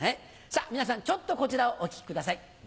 皆さんちょっとこちらをお聴きください。